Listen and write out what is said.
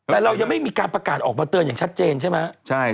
แต่เรายังไม่มีการประกาศออกมาเตือนอย่างชัดเจนใช่ไหม